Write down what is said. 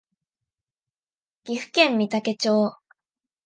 岐阜県御嵩町